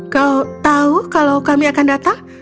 kau tahu kalau kami akan datang